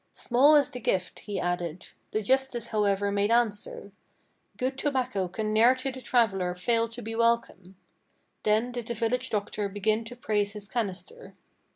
"Small is the gift," he added. The justice, however, made answer: "Good tobacco can ne'er to the traveller fail to be welcome." Then did the village doctor begin to praise his canister.